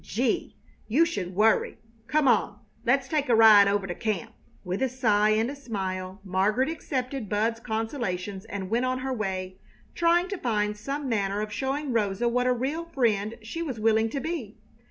Gee! You should worry! Come on, let's take a ride over t' camp!" With a sigh and a smile Margaret accepted Bud's consolations and went on her way, trying to find some manner of showing Rosa what a real friend she was willing to be.